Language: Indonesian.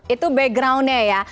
itu backgroundnya ya